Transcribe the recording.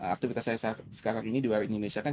aktivitas saya sekarang ini di luar indonesia kan